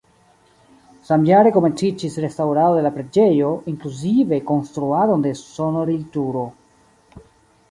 Samjare komenciĝis restaŭrado de la preĝejo, inkluzive konstruadon de sonorilturo.